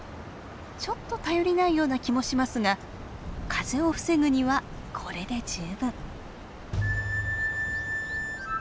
ちょっと頼りないような気もしますが風を防ぐにはこれで十分。